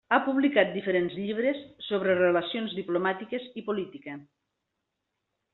Ha publicat diferents llibres sobre relacions diplomàtiques i política.